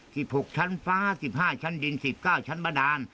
หกชั้นฟ้าสิบห้าชั้นดินสิบเก้าชั้นบาดาน